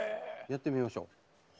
やってみましょう。